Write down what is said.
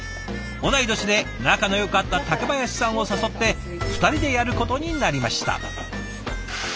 同い年で仲のよかった竹林さんを誘って２人でやることになりました。